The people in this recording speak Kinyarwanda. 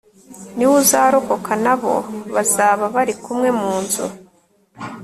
ni we uzarokoka n'abo bazaba bari kumwe mu nzu